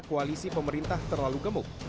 koalisi pemerintah terlalu gemuk